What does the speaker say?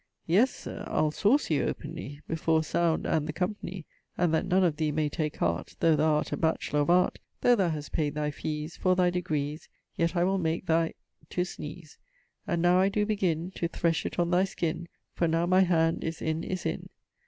'Yes, sir, I'le sawce you openly Before Sound and the company; And that none of thee may take heart Though thou art a batchelour of Art, Though thou hast payd thy fees For thy degrees: Yet I will make thy ... to sneeze. And now I doe begin To thresh it on thy skin For now my hand is in, is in.